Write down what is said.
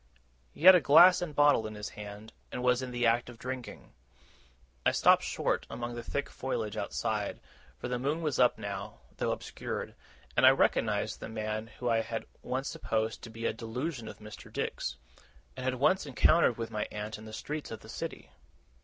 He had a glass and bottle in his hand, and was in the act of drinking. I stopped short, among the thick foliage outside, for the moon was up now, though obscured; and I recognized the man whom I had once supposed to be a delusion of Mr. Dick's, and had once encountered with my aunt in the streets of the city.